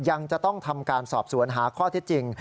ยังจะต้องทำการสอบสวนหาข้อเท็จจริง